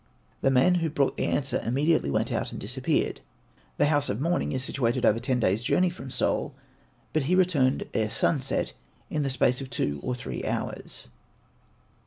The man who brought the answer immediately went out and disappeared. The house of mourning is situated over ten days' journey from Seoul, but he returned ere sunset, in the space of two or three hours.